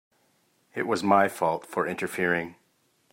It was my fault for interfering.